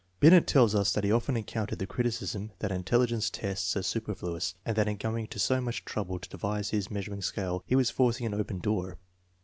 Binot tells us that he often encountered the criticism that intelligence tests are superfluous, and that in going to so much trouble to devise his measuring scale he was forcing an open door.